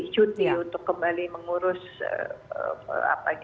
cuti untuk kembali mengurus urusan urusan pribadinya